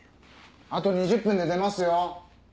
あと２０分で出ますよ。